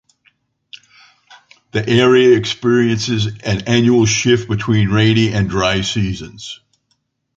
The area experiences an annual shift between rainy and dry seasons.